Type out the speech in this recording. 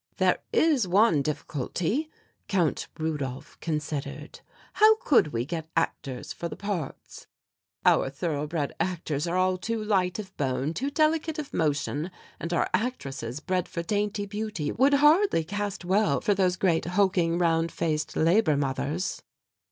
"There is one difficulty," Count Rudolph considered. "How could we get actors for the parts? Our thoroughbred actors are all too light of bone, too delicate of motion, and our actresses bred for dainty beauty would hardly caste well for those great hulking round faced labour mothers."